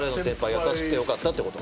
優しくてよかったってこと。